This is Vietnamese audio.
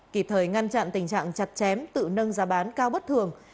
kịp thời ngăn chặn tình trạng chặt chém tự nâng giá bán cao bất thường